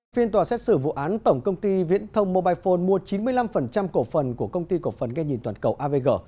phiên tòa xét xử vụ án tổng công ty viễn thông mobile phone mua chín mươi năm cổ phần của công ty cổ phấn nghe nhìn toàn cầu avg